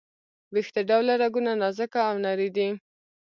ویښته ډوله رګونه نازکه او نري دي.